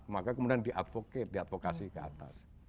maka kemudian di advocate di advokasi ke atas